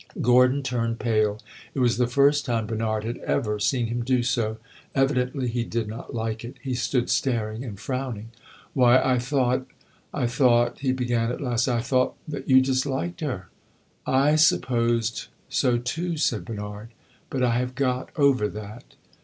Gordon turned pale; it was the first time Bernard had ever seen him do so; evidently he did not like it. He stood staring and frowning. "Why, I thought I thought," he began at last "I thought that you disliked her!" "I supposed so, too," said Bernard. "But I have got over that."